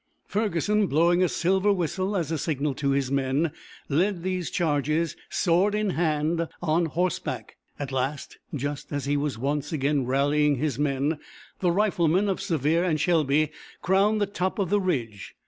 Ferguson, blowing a silver whistle as a signal to his men, led these charges, sword in hand, on horseback. At last, just as he was once again rallying his men, the riflemen of Sevier and Shelby crowned the top of the ridge.